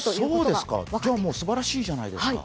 じゃあもうすばらしいじゃないですか。